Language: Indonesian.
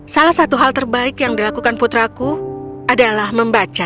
salah satu hal terbaik yang dilakukan putraku adalah membaca